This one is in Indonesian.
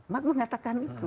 mak mengatakan itu